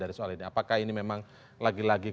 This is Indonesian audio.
apakah ini memang lagi lagi